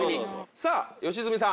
さぁ良純さん。